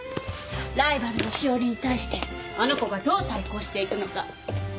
ライバルの詩織に対してあの子がどう対抗していくのか。